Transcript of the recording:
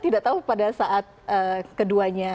tidak tahu pada saat keduanya